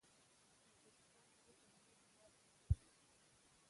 ازبکستان زموږ ګاونډی هيواد ده